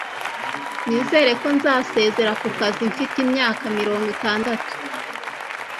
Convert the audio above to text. Nizere ko nzasezera ku kazi mfite imyaka mirongo itandatu